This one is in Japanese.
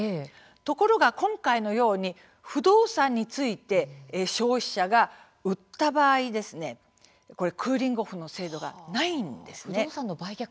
ところが今回のように不動産について消費者が売った場合クーリング・オフの制度がないんです。